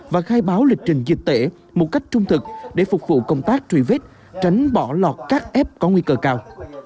và khai báo lịch trình dịch tễ một cách trung thực để phục vụ công tác truy vết tránh bỏ lọt các f có nguy cơ cao